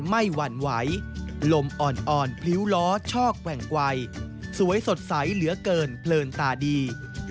มีการทำรูปใสเหลือเกินเบลิญตาดี